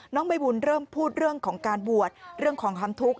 ใบบุญเริ่มพูดเรื่องของการบวชเรื่องของความทุกข์